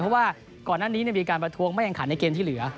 เพราะว่าก่อนหน้านี้มีการประท้วงไม่แข่งขันในเกมที่เหลือ